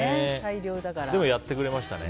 でも、やってくれました。